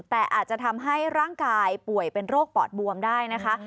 แต่อาจจะทำให้ร่างกายป่วยเป็นโรคปอดบวมได้นะคะ